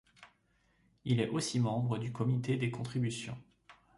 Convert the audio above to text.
Il est aussi membre du Comité des contributions.